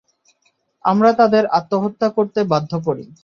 আমরা তাদের আত্মহত্যা করতে বাধ্য করি।